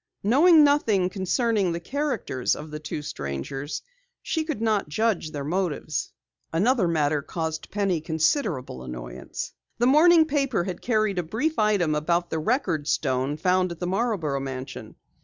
Knowing nothing concerning the characters of the two strangers, she could not judge their motives. Another matter caused Penny considerable annoyance. The morning paper had carried a brief item about the record stone found at the Marborough mansion.